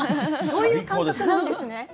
そういう感覚なんですね。